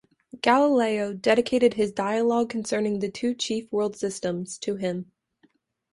Galileo dedicated his Dialogue Concerning the Two Chief World Systems to him.